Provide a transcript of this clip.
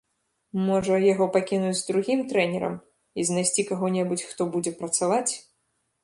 Можа, яго пакінуць другім трэнерам, і знайсці каго-небудзь, хто будзе працаваць.